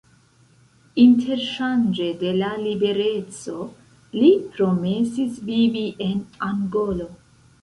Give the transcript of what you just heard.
Interŝanĝe de la libereco, li promesis vivi en Angolo.